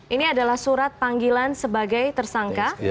ini adalah surat panggilan sebagai tersangka